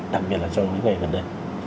đặc biệt là trong những ngày gần đây